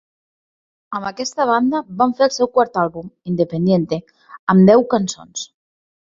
Amb aquesta banda, van fer el seu quart àlbum, "Independiente", amb deu cançons.